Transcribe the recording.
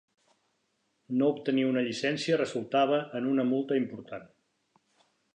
No obtenir una llicència resultava en una multa important.